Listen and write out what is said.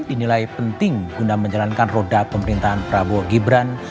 dinilai penting guna menjalankan roda pemerintahan prabowo gibran